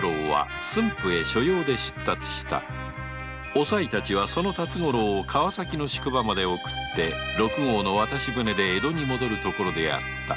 おさいたちは辰五郎を川崎の宿場まで送って六郷の渡し舟で江戸に戻るところであった